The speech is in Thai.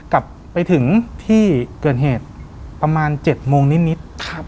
กลับไปถึงที่เกิดเหตุประมาณ๗โมงนิด